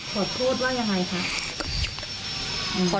ขอโทษว่ายังไงคะ